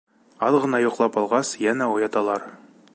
«Аҙ ғына» йоҡлап алғас, йәнә уяталар.